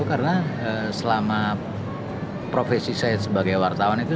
karena selama profesi saya sebagai wartawan itu